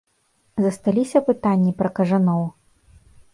Засталіся пытанні пра кажаноў?